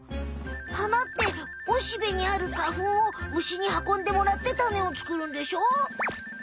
花ってオシベにある花ふんを虫にはこんでもらってタネを作るんでしょ？